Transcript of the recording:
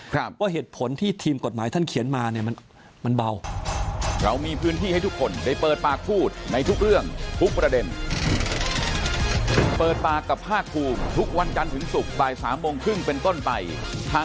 ว่าเหตุผลที่ทีมกฎหมายท่านเขียนมาเนี่ยมันเบา